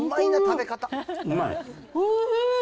うまい？